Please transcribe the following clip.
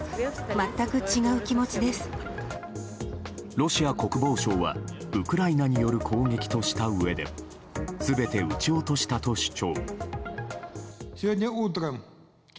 ロシア国防省はウクライナによる攻撃としたうえで全て撃ち落としたと主張。